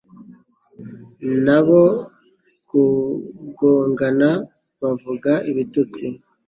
n'abo kugongana bavuga ibitutsi